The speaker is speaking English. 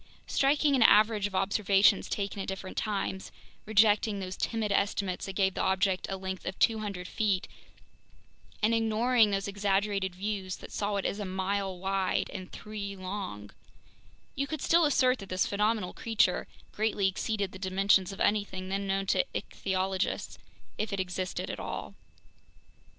Striking an average of observations taken at different times—rejecting those timid estimates that gave the object a length of 200 feet, and ignoring those exaggerated views that saw it as a mile wide and three long—you could still assert that this phenomenal creature greatly exceeded the dimensions of anything then known to ichthyologists, if it existed at all.